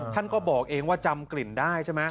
ท่านก็บอกเองว่าจำกลิ่นได้ใช่ไหม